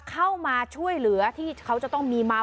เข้ามาช่วยเหลือที่เขาจะต้องมีมา